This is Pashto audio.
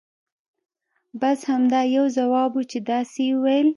بس همدا یو ځواب وو چې داسې یې ویل.